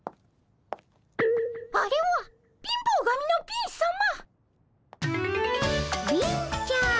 あれは貧乏神の貧さま。